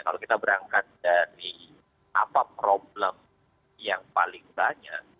kalau kita berangkat dari apa problem yang paling banyak